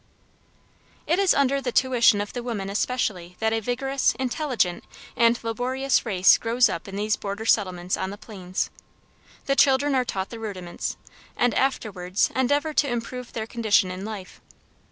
It is under the tuition of the women especially that a vigorous, intelligent, and laborious race grows up in these border settlements on the plains. The children are taught the rudiments, and afterwards endeavor to improve their condition in life.